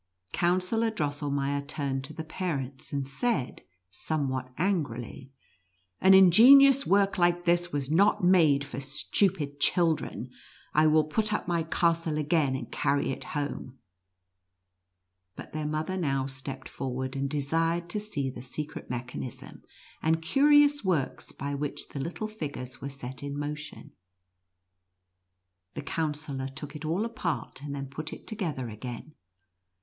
Counsellor Drossel meier turned to the parents, and said, somewhat angrily, " An ingenious work like this was not made for stupid children. I will put up my cas NUTCRACKER AND MOUSE KING. 17 tie again, and cany it home." But their mother now stepped forward, and desired to see the secret mechanism and curious works by which the little figures were set in motion. The Coun sellor took it all apart, and then put it together again.